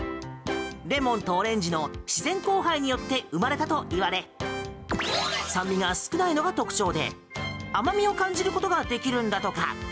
レモンとオレンジの自然交配によって生まれたといわれ酸味が少ないのが特徴で甘味を感じることができるんだとか。